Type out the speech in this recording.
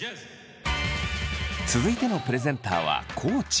続いてのプレゼンターは地。